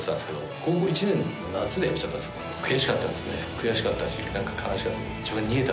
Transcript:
悔しかったしなんか悲しかった。